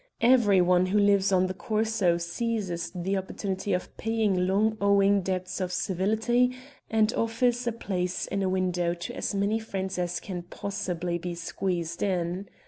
Every one who lives on the Corso seizes the opportunity of paying long owing debts of civility and offers a place in a window to as many friends as can possibly be squeezed in.